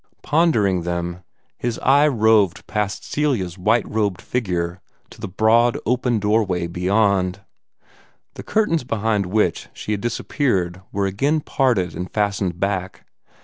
Pondering them, his eye roved past Celia's white robed figure to the broad, open doorway beyond. The curtains behind which she had disappeared were again parted and fastened back.